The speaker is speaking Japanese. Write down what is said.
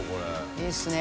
いいですね。